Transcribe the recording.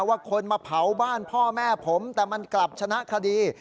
ว่าคนมาเผาบ้านพ่อแม่ผมแต่มันกลับชนะคดี